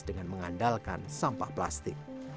dengan mengandalkan sampah plastik